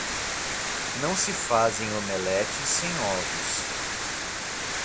Não se fazem omeletes sem ovos.